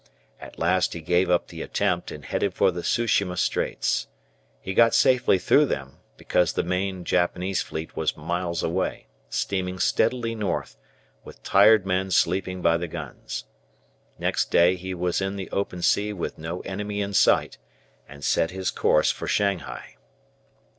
At last he gave up the attempt and headed for the Tsu shima Straits. He got safely through them, because the main Japanese fleet was miles away, steaming steadily north, with tired men sleeping by the guns. Next day he was in the open sea with no enemy in sight, and set his course for Shanghai.